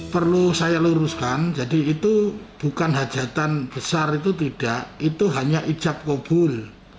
perlu saya luruskan jadi itu bukan hajatan besar itu tidak itu hanya ijab kobul